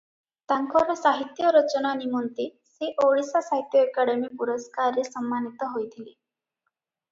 ତାଙ୍କର ସାହିତ୍ୟ ରଚନା ନିମନ୍ତେ ସେ ଓଡ଼ିଶା ସାହିତ୍ୟ ଏକାଡେମୀ ପୁରସ୍କାରରେ ସମ୍ମାନୀତ ହୋଇଥିଲେ ।